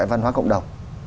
văn hóa cộng đồng